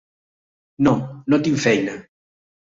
No, no tinc feina.